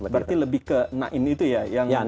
berarti lebih ke na'in itu ya yang pelapalan